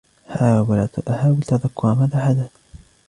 حاول تذكر ماذا حدث.